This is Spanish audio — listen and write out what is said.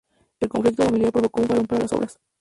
El conflicto familiar provocó un parón en las obras.